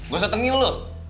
gue setengahin lo